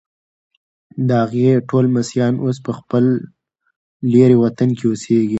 د هغې ټول لمسیان اوس په خپل لیرې وطن کې اوسیږي.